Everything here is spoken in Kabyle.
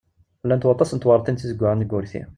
Llant waṭas n tewreḍtin tizeggaɣin deg wurti.